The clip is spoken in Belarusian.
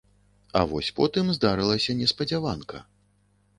А вось потым здарылася неспадзяванка.